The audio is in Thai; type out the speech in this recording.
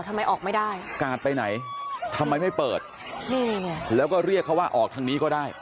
ทำไมออกไม่ได้กาดไปไหนทำไมไม่เปิดนี่ไงแล้วก็เรียกเขาว่าออกทางนี้ก็ได้